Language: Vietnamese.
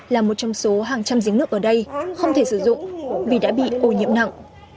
là một trong số hàng trăm giếng nước ở đây không thể sử dụng vì đã bị ô nhiễm nặng